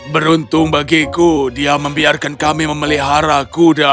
beruntung bagiku dia membiarkan kami memelihara kuda